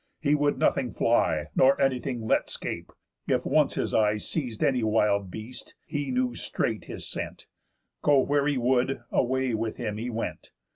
He would nothing fly, Nor anything let 'scape. If once his eye Seiz'd any wild beast, he knew straight his scent; Go where he would, away with him he went.